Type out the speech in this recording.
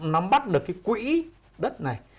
nắm bắt được cái quỹ đất này